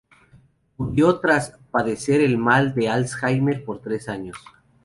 Murió tras padecer el mal de Alzheimer por tres años.